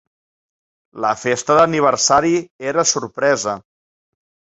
La festa d'aniversari era sorpresa.